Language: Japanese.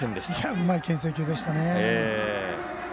うまい、けん制球でしたね。